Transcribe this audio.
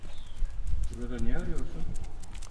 Burada ne arıyorsun?